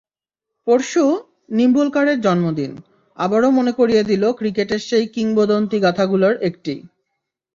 পরশু নিম্বলকারের জন্মদিন আবারও মনে করিয়ে দিল ক্রিকেটের সেই কিংবদন্তিগাথাগুলোর একটি।